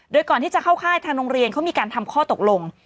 โดยก่อนที่จะเข้าค่ายทางโรงเรียนเขามีการทำข้อตกลง